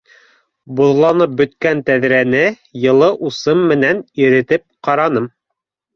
Боҙланып бөткән тәҙрәне йылы усым менән иретеп ҡараным.